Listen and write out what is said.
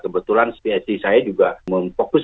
kebetulan state saya juga memfokus